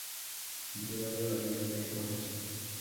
Entregado a la vida de oración.